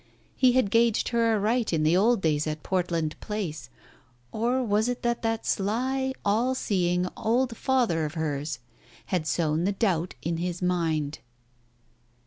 He had gauged her aright in the old days at Portland Place, or was it that that sly, all seeing old father of hers had sown the doubt in his mind